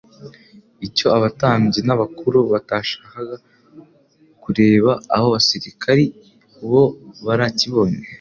Icyo abatambyi n'abakuru batashakaga kureba abo basirikari bo barakibonye: